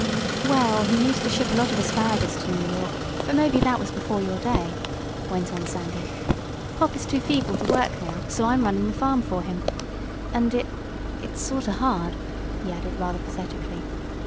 "Well, he used to ship a lot of asparagus to New York, but maybe that was before your day," went on Sandy. "Pop is too feeble to work now, so I'm running the farm for him. And it it's sorter hard," he added, rather pathetically.